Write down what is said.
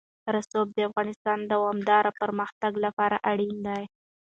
رسوب د افغانستان د دوامداره پرمختګ لپاره اړین دي.